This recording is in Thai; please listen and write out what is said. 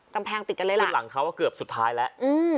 กำแพงติดกันเลยล่ะคือหลังเขาก็เกือบสุดท้ายแล้วอืม